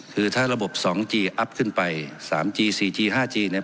คือถ้าระบบสองจีอัพขึ้นไปสามจีสี่จีห้าจีเนี่ย